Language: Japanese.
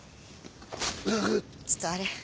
ちっとあれ。